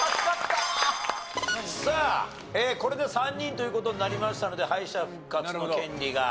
さあこれで３人という事になりましたので敗者復活の権利が使えますが。